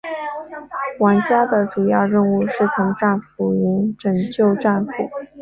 玩家的主要任务是从战俘营拯救战俘。